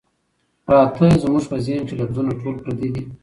پراتۀ زمونږ پۀ ذهن کښې لفظونه ټول پردي دي